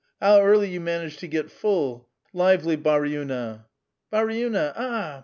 how early you managed to get full! lively baruina I "^^ Baruina ! ah